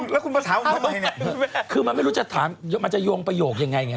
แล้วคุณมาถามทำไมเนี่ยคือมันไม่รู้จะถามมันจะโยงประโยคยังไงไง